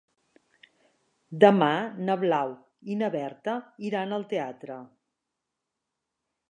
Demà na Blau i na Berta iran al teatre.